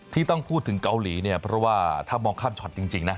ที่ต้องพูดถึงเกาหลีเนี่ยเพราะว่าถ้ามองข้ามช็อตจริงนะ